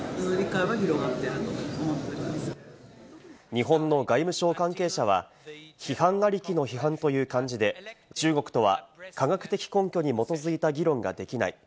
日本の外務省関係者は、批判ありきの批判という感じで中国とは科学的根拠に基づいた議論ができない。